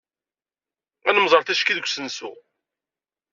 Ad nemmẓer ticki deg usensu.